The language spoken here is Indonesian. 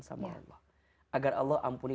sama allah agar allah ampuni